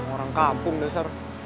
orang kampung dasar